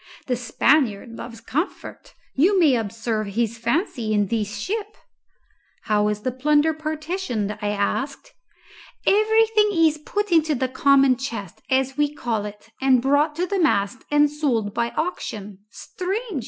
The Spaniard loves comfort you may observe his fancy in this ship." "How is the plunder partitioned?" I asked. "Everything is put into the common chest, as we call it, and brought to the mast and sold by auction Strange!"